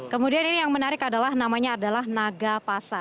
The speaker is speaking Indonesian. kemudian ini yang menarik adalah namanya adalah nagapasa